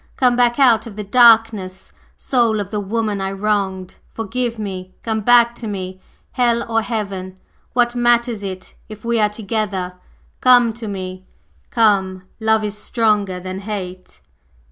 Come back out of the darkness, soul of the woman I wronged! Forgive me! Come back to me! Hell or Heaven, what matters it if we are together! Come to me, come! Love is stronger than Hate!"